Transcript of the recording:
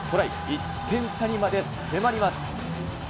１点差にまで迫ります。